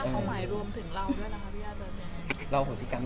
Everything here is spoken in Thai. เขาหมายรวมถึงเราด้วยนะครับ